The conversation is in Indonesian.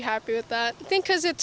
saya cukup senang dengan itu